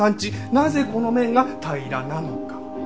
なぜこの面が平らなのか？